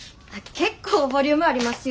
結構ボリュームありますよ。